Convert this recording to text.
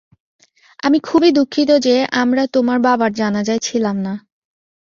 আমি খুবই দুঃখিত যে আমরা তোমার বাবার জানাজায় ছিলাম না।